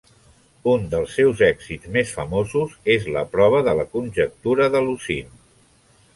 Un dels seus èxits més famosos és la prova de la conjectura de Lusin.